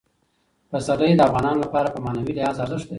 پسرلی د افغانانو لپاره په معنوي لحاظ ارزښت لري.